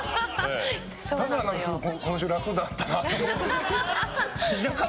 だから今週、楽だったなって思ってるんですけど。